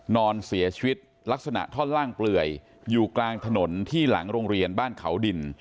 นอนเสียชีวิตลักษณะท่อนล่างเปลื่อยอยู่กลางถนนที่หลังโรงเรียนบ้านเขาดิน